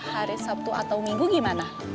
hari sabtu atau minggu gimana